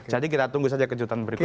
jadi kita tunggu saja kejutan berikutnya